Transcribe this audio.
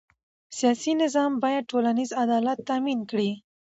سیاسي نظام باید ټولنیز عدالت تأمین کړي